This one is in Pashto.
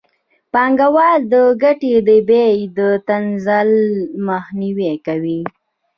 پانګوال د ګټې د بیې د تنزل مخنیوی کوي